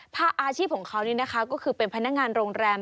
อาชีพของเขานี่นะคะก็คือเป็นพนักงานโรงแรม